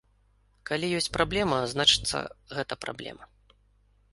Калі ёсць праблема, значыцца, гэта праблема.